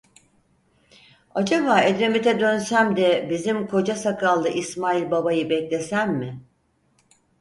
Acaba Edremit'e dönsem de bizim koca sakallı İsmail Baba'yı beklesem mi?